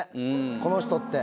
この人って。